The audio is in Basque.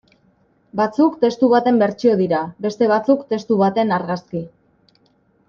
Batzuk testu baten bertsio dira, beste batzuk testu baten argazki.